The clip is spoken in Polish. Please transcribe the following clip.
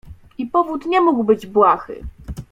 "I powód nie mógł być błahy."